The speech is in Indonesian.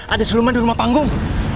ada suluman di rumah panggung